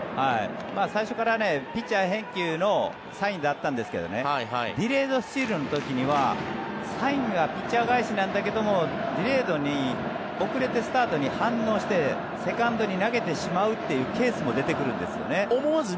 最初からピッチャー返球のサインだったんですけどディレードスチールの時にはサインがピッチャー返しなんだけどディレードに遅れてスタートに反応してセカンドに投げてしまうというケースも出てくるんです。